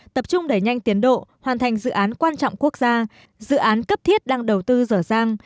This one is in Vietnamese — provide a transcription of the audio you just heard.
tập trung đẩy nhanh tiến độ hoàn thành dự án quan trọng quốc gia dự án cấp thiết đang đầu tư dở dàng